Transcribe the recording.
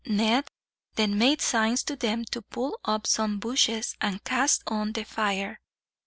Ned then made signs to them to pull up some bushes, and cast on the fire.